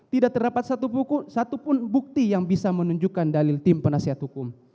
tidak terdapat satu buku satupun bukti yang bisa menunjukkan dalil tim penasihat hukum